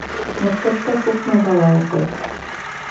Мәктәптә күпме бала уҡый?